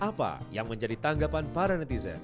apa yang menjadi tanggapan para netizen